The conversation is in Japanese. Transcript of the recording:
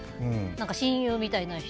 親友みたいな人。